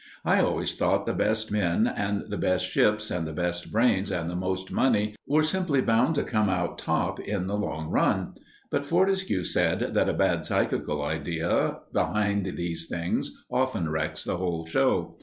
I always thought the best men and the best ships and the best brains and the most money were simply bound to come out top in the long run; but Fortescue said that a bad psychical idea behind these things often wrecks the whole show.